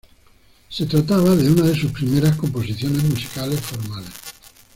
Se trataba de una de sus primeras composiciones musicales formales.